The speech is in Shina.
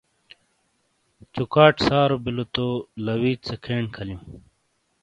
چوکھاٹ سارو بِیلو تو لَویت سے کھین کھالِیوں۔